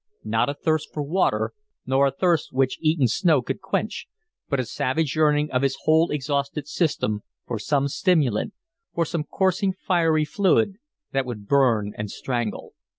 Not a thirst for water, nor a thirst which eaten snow could quench, but a savage yearning of his whole exhausted system for some stimulant, for some coursing fiery fluid that would burn and strangle.